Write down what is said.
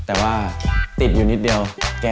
แต่ว่าติดอยู่นิดเดียว